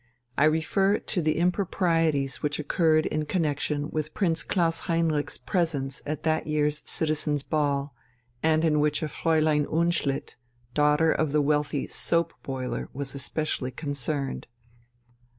I refer to the improprieties which occurred in connexion with Prince Klaus Heinrich's presence at that year's citizens' ball, and in which a Fräulein Unschlitt, daughter of the wealthy soap boiler, was especially concerned.